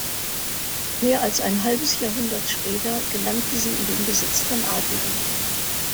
Mehr als ein halbes Jahrhundert später gelangte sie in Besitz von Adligen.